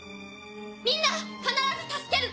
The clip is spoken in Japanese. みんな必ず助ける！